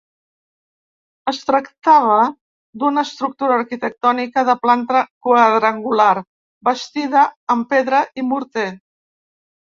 Es tractava d'una estructura arquitectònica de planta quadrangular, bastida amb pedra i morter.